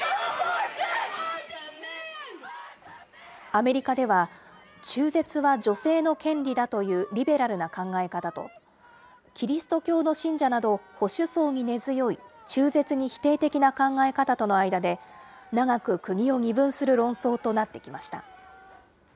アメリカでは、中絶は女性の権利だというリベラルな考え方と、キリスト教の信者など、保守層に根強い中絶に否定的な考え方との間で、長く国を二分する論争となってきました。